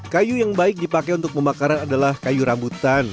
kayu yang baik dipakai untuk pembakaran adalah kayu rambutan